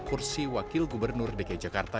kursi wakil gubernur dki jakarta